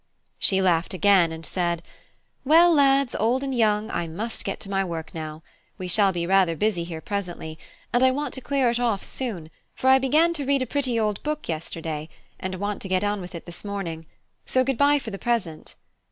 She laughed again, and said: "Well, lads, old and young, I must get to my work now. We shall be rather busy here presently; and I want to clear it off soon, for I began to read a pretty old book yesterday, and I want to get on with it this morning: so good bye for the present."